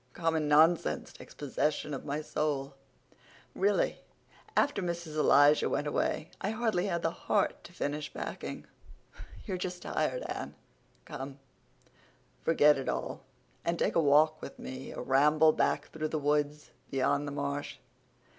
Common nonsense takes possession of my soul. Really, after Mrs. Elisha went away I hardly had the heart to finish packing." "You're just tired, Anne. Come, forget it all and take a walk with me—a ramble back through the woods beyond the marsh.